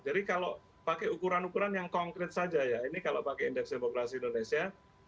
jadi kalau pakai ukuran ukuran yang konkret saja ya ini kalau pakai indeks demokrasi indonesia